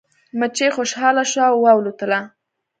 مچۍ خوشحاله شوه او والوتله.